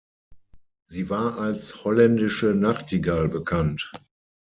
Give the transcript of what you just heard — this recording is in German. Sie war als „holländische Nachtigall“ bekannt.